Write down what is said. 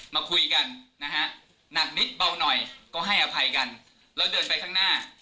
มาคุยกันนะฮะหนักนิดเบาหน่อยก็ให้อภัยกันแล้วเดินไปข้างหน้า